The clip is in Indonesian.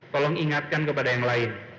tolong ingatkan kepada yang lain